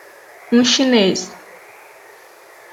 Um chinês